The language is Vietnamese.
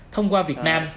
thông qua việt nam